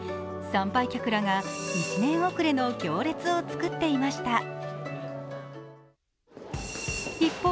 参拝客らが１年遅れの行列を作っていました。